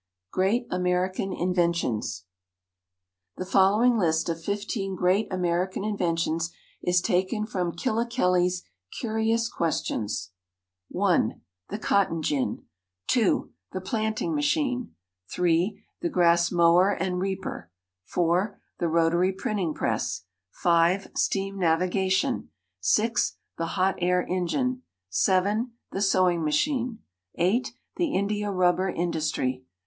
Great American Inventions The following list of fifteen great American inventions is taken from Killikelly's "Curious Questions": (1) The Cotton Gin. (2) The Planting Machine. (3) The Grass Mower and Reaper. (4) The Rotary Printing Press. (5) Steam Navigation. (6) The Hot Air Engine. (7) The Sewing Machine. (8) The India Rubber Industry.